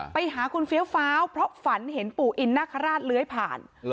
ไปหาคุณเฟี้ยวฟ้าวเพราะฝันเห็นปู่อินนาคาราชเลื้อยผ่าน